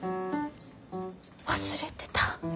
忘れてた。